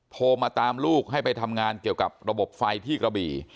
โทรมาตามลูกให้ไปทำงานเกี่ยวกับระบบไฟที่กระบี่